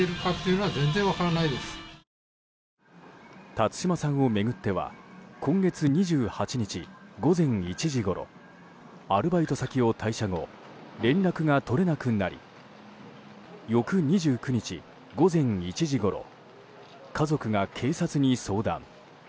辰島さんを巡っては今月２８日、午前１時ごろアルバイト先を退社後連絡が取れなくなり翌２９日、午前１時ごろ家族が警察に相談。